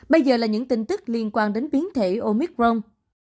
bây giờ là những tin tức liên quan đến biến thể omicron